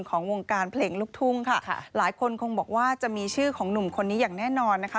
ของวงการเพลงลูกทุ่งค่ะหลายคนคงบอกว่าจะมีชื่อของหนุ่มคนนี้อย่างแน่นอนนะคะ